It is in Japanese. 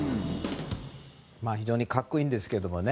非常に格好いいんですけどね。